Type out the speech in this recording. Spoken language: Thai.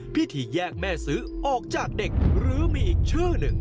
พิธีแยกแม่ซื้อออกจากเด็กหรือมีอีกชื่อหนึ่ง